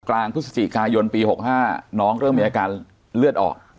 กลางพฤศจิกายนปี๖๕น้องเริ่มมีอาการเลือดออก